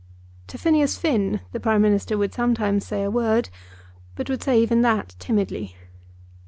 To Phineas Finn the Prime Minister would sometimes say a word, but would say even that timidly.